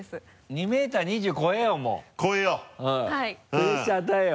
プレッシャー与えよう。